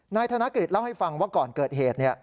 นายกฤษเล่าให้ฟังว่าก่อนเกิดเหตุ